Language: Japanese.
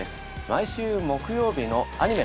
毎週木曜日のアニメ